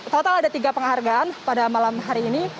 total ada tiga penghargaan pada malam hari ini